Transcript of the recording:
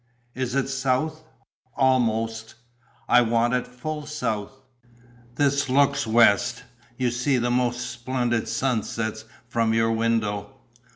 "Is it south?" "Almost" "I want it full south." "This looks west: you see the most splendid sunsets from your window."